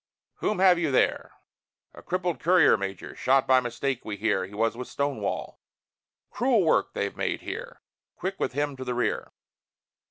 "Whom have you there?" "A crippled courier, Major, Shot by mistake, we hear. He was with Stonewall." "Cruel work they've made here; Quick with him to the rear!"